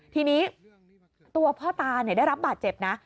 ทีนี้ตัวพ่อตาได้รับบาดเจ็บนะ